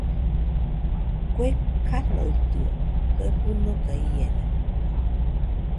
¿Kue kanoitɨo, kue fɨnoka iena?